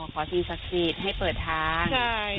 อ๋อขอที่ศักดิ์สิทธิ์ให้เปิดทาง